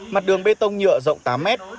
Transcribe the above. mặt đường bê tông nhựa rộng tám mét